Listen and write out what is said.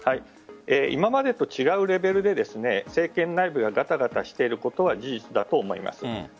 今までと違うレベルで政権内部ではガタガタしていることが事実だと思います。